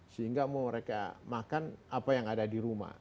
sehingga mau mereka makan apa yang ada di rumah